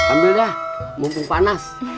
ambil dah mumpung panas